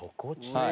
はい。